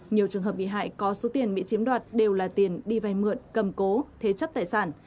nhiều trường hợp bị hại có số tiền bị chiếm đoạt đều là tiền đi vay mượn cầm cố thế chấp tài sản